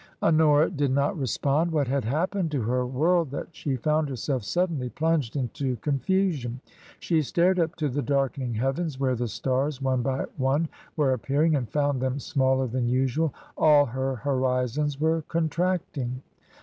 Honora did not respond. What had happened to her world that she found herself suddenly plunged into con fusion ? She stared up to the darkening heavens where the stars one by one were appearing and found them smaller than usual. All her horizons were contracting.